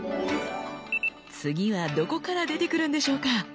次はどこから出てくるんでしょうか？